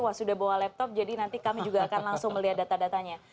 wah sudah bawa laptop jadi nanti kami juga akan langsung melihat data datanya